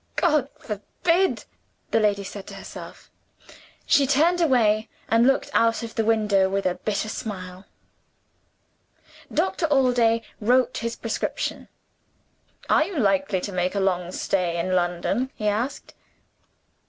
"God forbid!" the lady said to herself. She turned away, and looked out of the window with a bitter smile. Doctor Allday wrote his prescription. "Are you likely to make a long stay in London?" he asked.